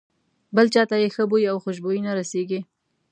بل چاته یې ښه بوی او خوشبويي نه رسېږي.